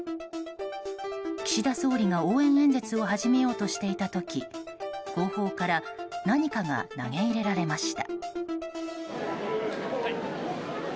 岸田総理が応援演説を始めようとしていた時後方から何かが投げ入れられました。